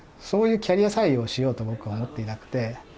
そういうキャリア採用をしようと僕は思っていなくて。